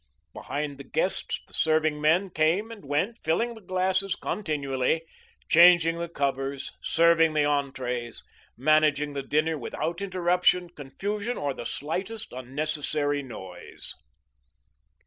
Behind the guests the serving men came and went, filling the glasses continually, changing the covers, serving the entrees, managing the dinner without interruption, confusion, or the slightest unnecessary noise.